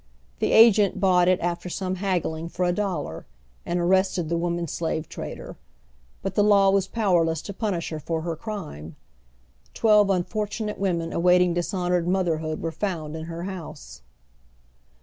The agent bought it after some haggling for a dollar, and arrested the woman slave trader ; but the law was powerless to punish her for her crmie. Twelve un fortunate women awaiting dishonored motlierliood were found in lier liouse.